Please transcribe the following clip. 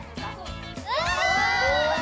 うわ！